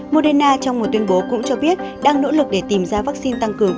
moderna trong một tuyên bố cũng cho biết đang nỗ lực để tìm ra vaccine tăng cường